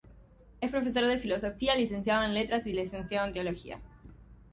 Es profesor de filosofía, licenciado en letras y licenciado en teología.